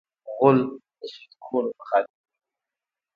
غول د سودي خوړو مخالف دی.